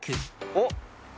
おっ。